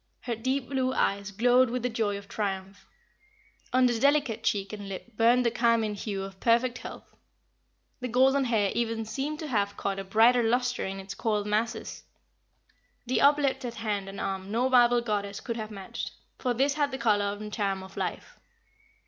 Her deep blue eyes glowed with the joy of triumph. On the delicate cheek and lip burned the carmine hue of perfect health. The golden hair even seemed to have caught a brighter lustre in its coiled masses. The uplifted hand and arm no marble goddess could have matched, for this had the color and charm of life.